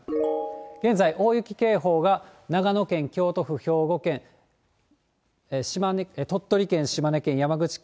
現在、大雪警報が長野県、京都府、兵庫県、鳥取県、島根県、山口県、